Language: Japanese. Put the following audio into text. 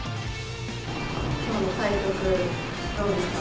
きょうの対局、どうですか？